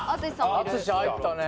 淳入ったね。